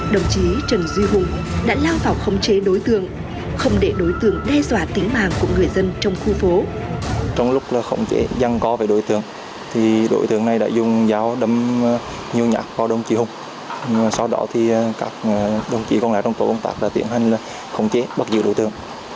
đồng chí trần duy hùng đã lao vào khống chế đối tượng không để đối tượng đe dọa tính mạng của người dân trong khu phố